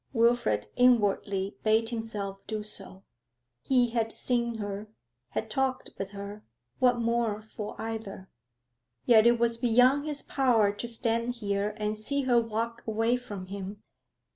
Wilfrid inwardly bade himself do so. He had seen her, had talked with her; what more for either? Yet it was beyond his power to stand here and see her walk away from him.